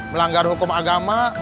melanggar hukum agama